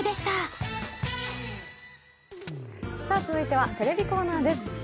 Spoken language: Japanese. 続いてはテレビコーナーです。